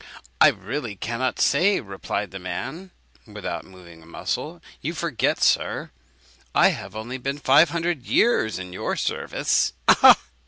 "I really cannot say," replied the man, without moving a muscle; "you forget, sir, I have only been five hundred years in your service!"